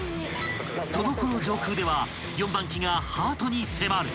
［そのころ上空では４番機がハートに迫る］